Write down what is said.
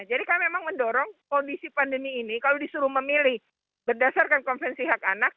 jadi kami memang mendorong kondisi pandemi ini kalau disuruh memilih berdasarkan konvensi hak anak